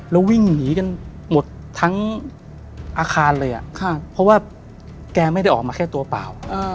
แล้ววิ่งหนีกันหมดทั้งอาคารเลยเพราะว่าแกไม่ได้ออกมาแค่ตัวเปล่า